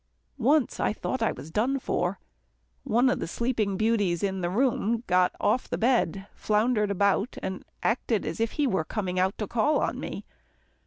Once I thought I was done for. One of the sleeping beauties in the room got off the bed, floundered about, and acted as if he were coming out to call on me.